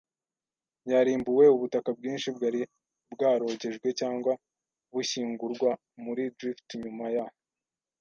yarimbuwe. Ubutaka bwinshi bwari bwarogejwe cyangwa bushyingurwa muri drift nyuma ya